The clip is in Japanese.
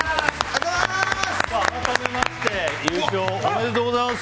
改めまして優勝おめでとうございます。